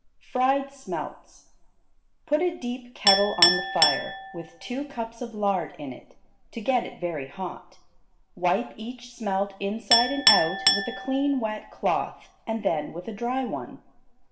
Fried Smelts Put a deep kettle on the fire, with two cups of lard in it, to get it very hot. Wipe each smelt inside and out with a clean wet cloth, and then with a dry one.